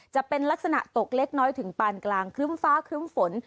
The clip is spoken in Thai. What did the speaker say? จะเป็นลักษณะตกเล็กน้อยถึงปานกลางครึ้มฟ้าครึ้มฝน